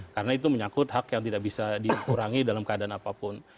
karena itu menyakut hak yang tidak bisa dikurangi dalam keadaan apapun